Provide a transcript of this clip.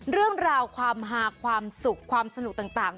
เรื่องราวความหาความสุขความสนุกต่าง